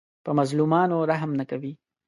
په مظلومانو رحم نه کوي